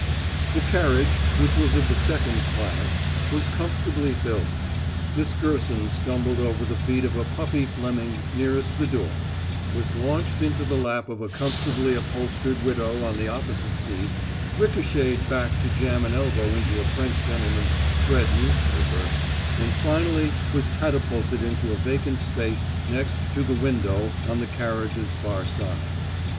The carriage, which was of the second class, was comfortably filled. Miss Gerson stumbled over the feet of a puffy Fleming nearest the door, was launched into the lap of a comfortably upholstered widow on the opposite seat, ricochetted back to jam an elbow into a French gentleman's spread newspaper, and finally was catapulted into a vacant space next to the window on the carriage's far side.